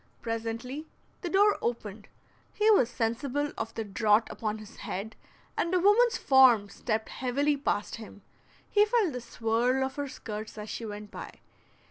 Presently the door opened; he was sensible of the draught upon his head, and a woman's form stepped heavily past him; he felt the "swirl" of her skirts as she went by.